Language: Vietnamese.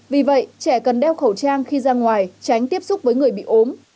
vì vậy trẻ cần đeo khẩu trang khi ra ngoài tránh tiếp xúc với người bị ốm